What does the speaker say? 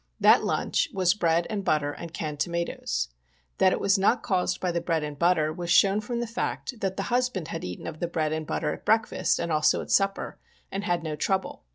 That lunch was bread and butter and canned toma toes. That it was not caused by the bread and butter was shown from the fact that the husband had eaten of the bread and butter at breakfast and also at supper, and had no trouble.